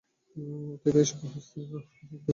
অতএব এই-সকল হস্তী অশ্ব রথ গীতবাদ্য আপনারই থাকুক।